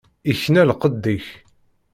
Ikna lqedd-ik.